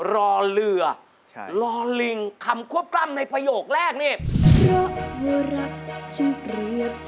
รอเรือรอลิงคำควบกล้ำในประโยคแรกนี่